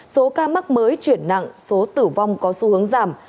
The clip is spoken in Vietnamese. số ca mắc mới chuyển nặng số tử vong có xu hướng giảm